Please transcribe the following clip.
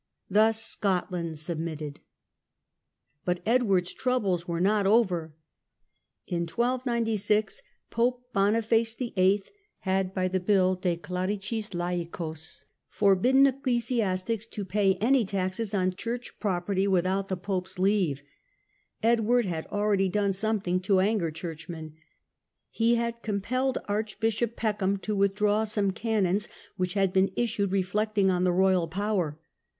Thus Scot land submitted. But Edward's troubles were not over. In 1296 Pope Boniface VIII. had, by the Bull De dericis laicos^iox\A^<^&s\ ecclesiastics to pay any taxes on church pro Quarrel with perty without the pope's leave. Edward had " church, already done something to anger churchmen. He had compelled Archbishop Peckham to withdraw some canons which had been issued reflecting on the royal power.